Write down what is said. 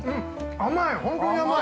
◆甘い！